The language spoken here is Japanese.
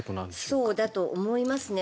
そうだと思いますね。